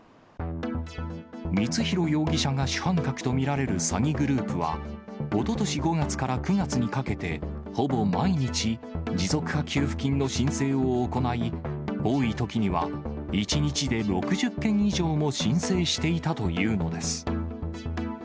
光弘容疑者が主犯格と見られる詐欺グループは、おととし５月から９月にかけて、ほぼ毎日、持続化給付金の申請を行い、多いときには１日で６０件以上も申請していたというのです。